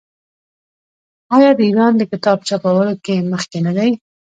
آیا ایران د کتاب چاپولو کې مخکې نه دی؟